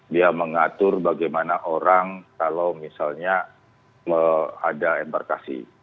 dia mengatur bagaimana orang kalau misalnya ada embarkasi